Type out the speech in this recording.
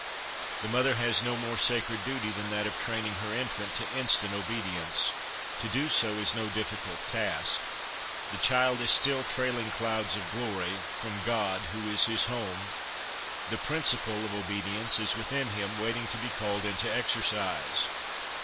The mother has no more sacred duty than that of training her infant to instant obedience. To do so is no difficult task ; the child is still " trailing clouds of glory .... from God, who is his home" ; the principle of obedience is within him, waiting to be called into exercise.